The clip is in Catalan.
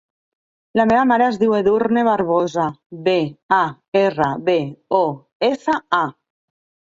La meva mare es diu Edurne Barbosa: be, a, erra, be, o, essa, a.